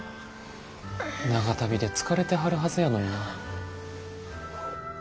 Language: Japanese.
長旅で疲れてはるはずやのにな。